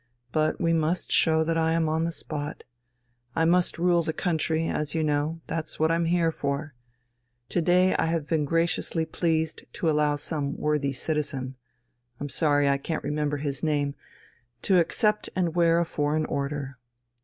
"But we must show that I am on the spot. I must rule the country, as you know, that's what I'm here for. To day I have been graciously pleased to allow some worthy citizen I'm sorry I can't remember his name to accept and wear a foreign order.